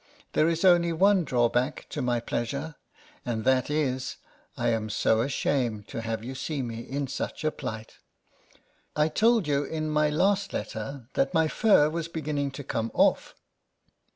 There is only one drawback to my pleasure, and that is, I am so ashamed to have you see me in such a plight. I told you, in my last letter, that my fur was beginning to come off.